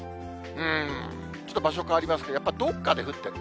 ちょっと場所変わりますけど、やっぱりどっかで降ってる。